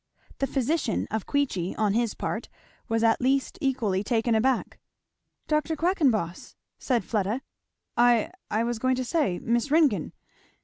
The physician of Queechy on his part was at least equally taken aback. "Dr. Quackenboss!" said Fleda. "I I was going to say, Miss Ringgan!"